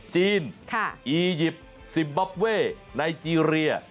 จีนอียิปต์ซิมบับเว่ไนเจรีย